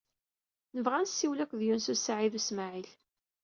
Nebɣa ad nessiwel akked Yunes u Saɛid u Smaɛil.